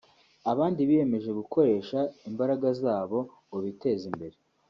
Abandi biyemeje gukoresha imbaraga zabo ngo biteze imbere